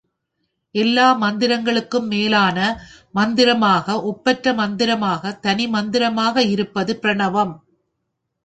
எல்லா மந்திரங்களுக்கும் மேலான மந்திரமாக, ஒப்பற்ற மந்திரமாக, தனி மந்திரமாக இருப்பது பிரணவம்.